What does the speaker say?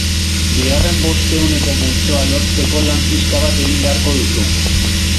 Bigarren bostehuneko multzoa lortzeko lan pixka bat egin beharko duzu.